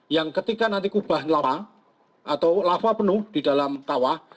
yang ketika nanti kubah lava atau lava penuh di dalam kawah